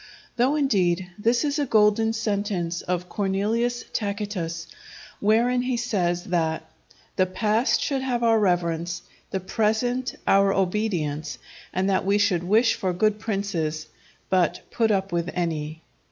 Though, indeed, this is a golden sentence Of Cornelius Tacitus, wherein he says that "_the past should have our reverence, the present our obedience, and that we should wish for good princes, but put up with any.